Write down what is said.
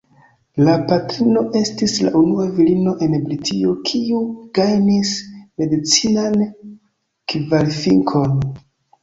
La patrino estis la unua virino en Britio kiu gajnis medicinan kvalifikon.